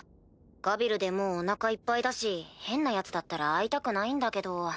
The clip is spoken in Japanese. ガビルでもうお腹いっぱいだし変なヤツだったら会いたくないんだけど。